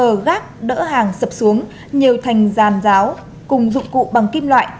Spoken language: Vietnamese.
ở gác đỡ hàng sập xuống nhiều thành giàn ráo cùng dụng cụ bằng kim loại